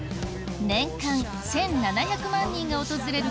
年間１７００万人が訪れる